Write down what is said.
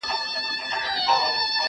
زه به درځم چي نه سپوږمۍ وي نه غمازي سترګي،